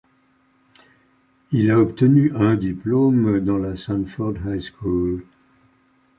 Il a obtenu un diplôme dans la Sanford High School.